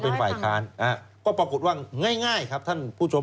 เป็นฝ่ายค้านก็ปรากฏว่าง่ายครับท่านผู้ชม